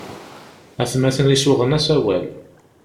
Atmaten-is uɣen-as awal.